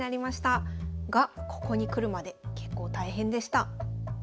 がここに来るまで結構大変でした。